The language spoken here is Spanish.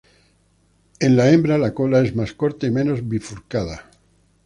En la hembra la cola es más corta y menos bifurcada.